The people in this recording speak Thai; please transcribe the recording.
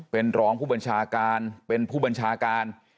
เป็นรองผู้บัญชาการเป็นผู้บัญชาการ